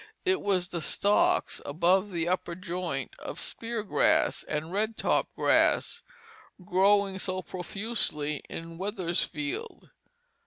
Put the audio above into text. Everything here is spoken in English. It was the stalks, above the upper joint, of spear grass and redtop grass growing so profusely in Weathersfield.